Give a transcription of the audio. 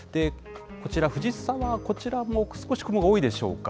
こちら、藤沢、こちらも少し雲が多いでしょうか。